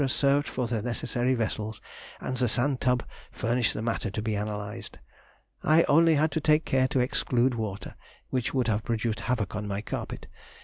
served for the necessary vessels, and the sand tub furnished the matter to be analysed. I only had to take care to exclude water, which would have produced havoc on my carpet.